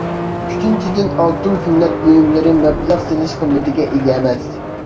ئۈچىنچىدىن، ئالتۇن زىننەت بۇيۇملىرى مەبلەغ سېلىش قىممىتىگە ئىگە ئەمەس.